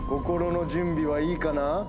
心の準備はいいかな？